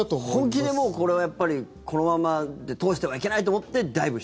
本気でもうこれはやっぱりこのままで通してはいけないと思ってはい。